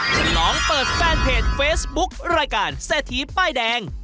ฉลองเปิดแฟนเพจเฟซบุ๊ครายการเศรษฐีป้ายแดง